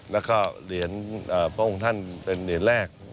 แล้วก็เหรียญพระองค์ท่านเป็นเหรียญแรก